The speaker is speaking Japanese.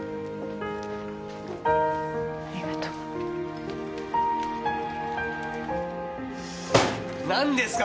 ありがとう何ですか？